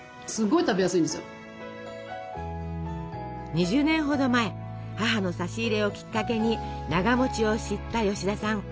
２０年ほど前母の差し入れをきっかけにながを知った吉田さん。